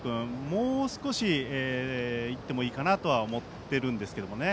もう少し、いってもいいかなとは思っているんですけど。